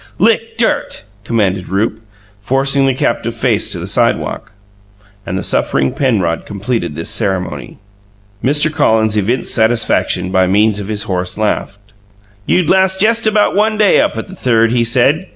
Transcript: "Lick dirt," commanded Rupe, forcing the captive's face to the sidewalk; and the suffering Penrod completed this ceremony. Mr. Collins evinced satisfaction by means of his horse laugh. "You'd last jest about one day up at the Third!" he said.